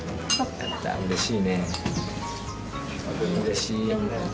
うれしい。